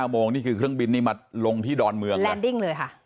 ๙โมงนี่คือเครื่องบินมาลงที่ดอนเมือง